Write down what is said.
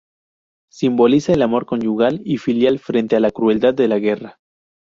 Simboliza el amor conyugal y filial frente a la crueldad de la guerra.